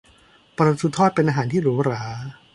ปลาทูทอดเป็นอาหารที่หรูหรา